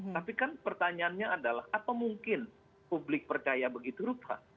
tapi kan pertanyaannya adalah apa mungkin publik percaya begitu rupa